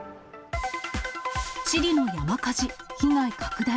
チリの山火事、被害拡大。